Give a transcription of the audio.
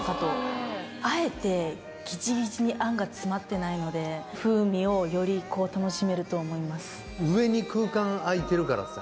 あえてぎちぎちにあんが詰まってないので風味をよりこう楽しめると思います。